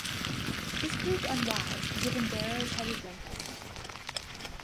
This proved unwise, given Darro's heavy drinking.